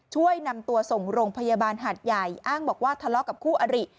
ช่วยนำตัวส่งโรงพยาบาลหาดใหญ่อ้างบอกว่าทะเลาะกับคู่อริ